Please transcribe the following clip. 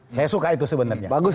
saya suka itu sebenarnya bagus